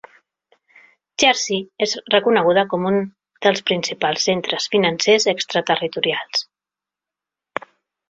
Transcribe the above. Jersey és reconeguda com un dels principals centres financers extraterritorials.